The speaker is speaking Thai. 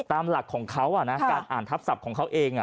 ตามหลักของเขาการอ่านทัพศัพท์ของเขาเอง